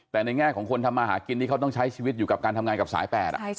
แต่ในแง่ของคนทำมาหากินที่เขาต้องใช้ชีวิตอยู่กับการทำงานกับสาย๘